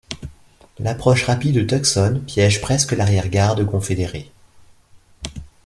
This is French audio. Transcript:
L'approche rapide de Tucson piège presque l'arrière-garde confédérée.